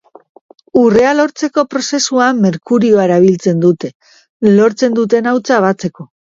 Urrea lortzeko prozesuan merkurioa erabiltzen dute lortzen duten hautsa batzeko.